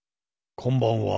こんばんは。